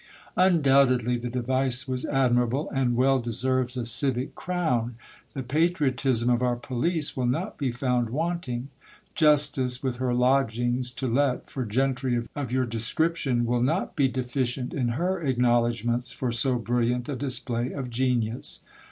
Undoubtedly, the device was admirable, and well deserves a civic crown ; the patriotism of our police will not be found wanting. Justice, with her lodgings to let for gentry of GIL BLAS SENT TO PRISON. 55 your description, will not be deficient in her acknowledgments for so brilliant a display of genius.